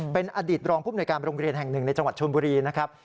เป็นอดีตรองภูมิหน่วยการโรงเรียนแห่งหนึ่งในจังหวัดชนบุรีนะครับ